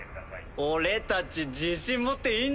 俺たち自信持っていいんじゃね？